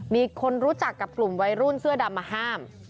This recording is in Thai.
มีคนรู้จักกับกลุ่มวัยรุ่นเสื้อดำมาห้าม